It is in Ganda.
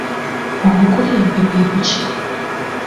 Obukulembe bwe buki?